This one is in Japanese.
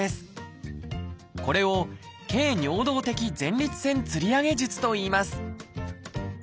これを「経尿道的前立腺吊り上げ術」といいます